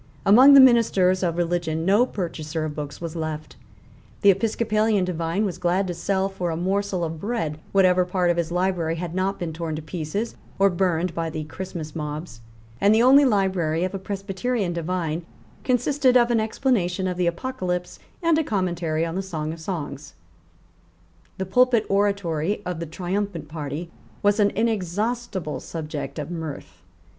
Among the ministers of religion no purchaser of books was left. The Episcopalian divine was glad to sell for a morsel of bread whatever part of his library had not been torn to pieces or burned by the Christmas mobs; and the only library of a Presbyterian divine consisted of an explanation of the Apocalypse and a commentary on the Song of Songs, The pulpit oratory of the triumphant party was an inexhaustible subject of mirth.